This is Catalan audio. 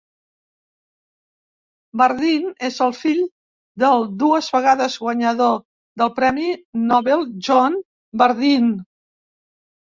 Bardeen és el fill del dues vegades guanyador del premi Nobel John Bardeen.